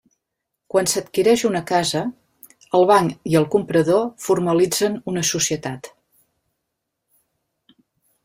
Quan s'adquireix una casa el banc i el comprador formalitzen una societat.